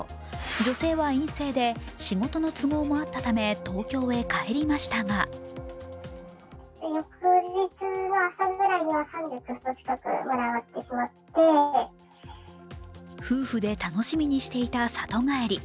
女性は陰性で、仕事の都合もあったため、東京へ帰りましたが夫婦で楽しみにしていた里帰り。